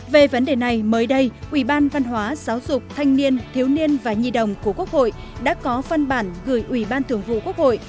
về vấn đề này mới đây ủy ban văn hóa giáo dục thanh niên thiếu niên và nhi đồng của quốc hội đã có phân bản gửi ủy ban thường vụ quốc hội